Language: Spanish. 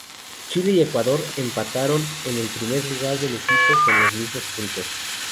Chile y Ecuador empataron en el primer lugar del grupo, con los mismos puntos.